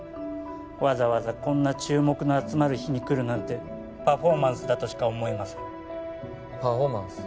わざわざこんな注目の集まる日に来るなんてパフォーマンスだとしか思えませんパフォーマンス？